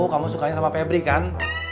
kamu sukanya sama pebri kan